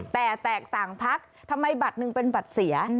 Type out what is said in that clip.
แต่แตกต่างพักทำไมบัตรหนึ่งเป็นบัตรเสีย